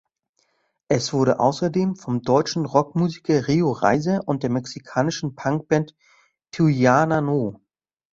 Es wurde außerdem vom deutschen Rock-Musiker Rio Reiser und der mexikanischen Punk-Band Tijuana No!